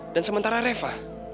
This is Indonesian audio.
dan sementara reva